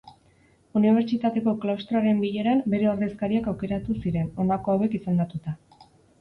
Unibertsitateko Klaustroaren bileran, bere ordezkariak aukeratu ziren, honako hauek izendatuta.